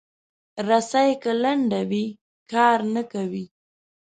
رسۍ که لنډه وي، کار نه کوي.